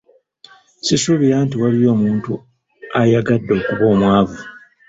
Sisuubira nti waliyo omuntu ayagadde okuba omwavu.